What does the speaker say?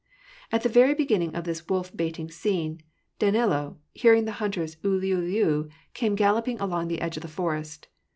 At the very beginning of this wolf baiting scene, Danilo, hearing the hunters' uUuUu, came galloping along the edge of the forest.